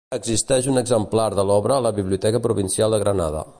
Existeix un exemplar de l'obra a la Biblioteca Provincial de Granada.